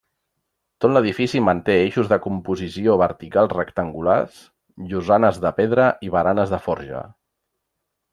Tot l'edifici manté eixos de composició verticals rectangulars, llosanes de pedra i baranes de forja.